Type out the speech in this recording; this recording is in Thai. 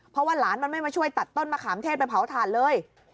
เพราะว่าหลานมันไม่มาช่วยตัดต้นมะขามเทศไปเผาถ่านเลย